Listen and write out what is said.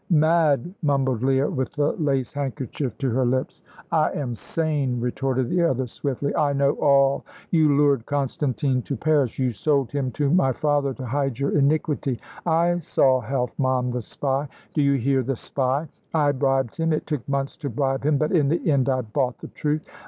"Mad," mumbled Leah, with the lace handkerchief to her lips. "I am sane," retorted the other, swiftly. "I know all. You lured Constantine to Paris; you sold him to my father to hide your iniquity. I saw Helfmann the spy; do you hear the spy! I bribed him; it took months to bribe him, but in the end I bought the truth.